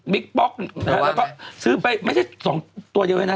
บิ๊กป๊อกแล้วก็ซื้อไปไม่ใช่๒ตัวเดียวนะ